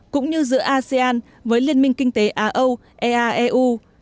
cũng như giữa asean với liên minh kinh tế á âu ea eu